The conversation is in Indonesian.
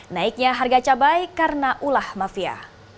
naiknya harga cabai karena ulah mafia